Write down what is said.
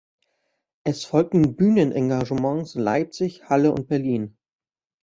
Es folgten Bühnenengagements in Leipzig, Halle und Berlin.